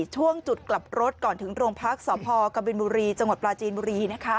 ช่วงจุดกลับรถก่อนถึงโรงพลักษณ์สพกบุรีจปราจีนบุรี